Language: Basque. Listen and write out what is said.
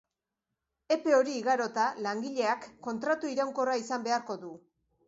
Epe hori igarota, langileak kontratu iraunkorra izan beharko du.